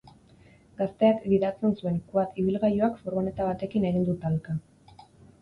Gazteak gidatzen zuen quad ibilgailuak furgoneta batekin egin du talka.